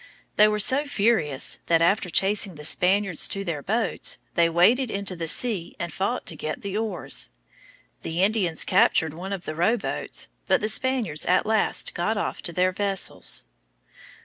They were so furious that, after chasing the Spaniards to their boats, they waded into the sea and fought to get the oars. The Indians captured one of the rowboats, but the Spaniards at last got off to their vessels.